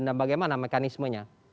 dan bagaimana mekanismenya